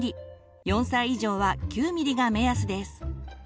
４歳以上は９ｍｍが目安です。